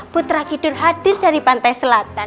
putra kidul hadir dari pantai selatan